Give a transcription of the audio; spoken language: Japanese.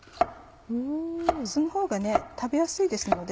そのほうが食べやすいですので。